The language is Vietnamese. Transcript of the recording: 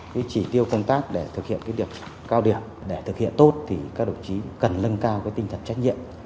với chỉ tiêu công tác để thực hiện điều cao điểm để thực hiện tốt thì các đồng chí cần lân cao tinh thần trách nhiệm